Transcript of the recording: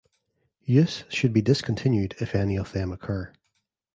Use should be discontinued if any of them occur.